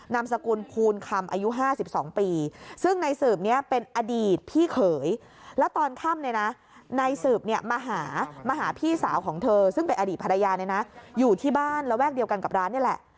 นายสืบเนี่ยมาหาพี่สาวของเธอซึ่งเป็นอดีตภรรยาเนี่ยนะอยู่ที่บ้านแล้วแวกเดียวกันกับร้านนี่แหละ